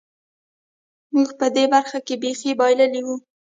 موږ په دې برخه کې بېخي بایللې وه.